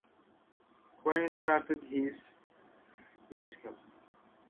Quinn started his musical career as one half of drum and bass duo Turbosound.